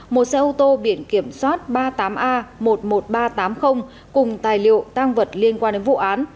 một xe ô tô biển kiểm soát ba mươi tám a một mươi một nghìn ba trăm tám mươi cùng tài liệu tăng vật liên quan đến vụ án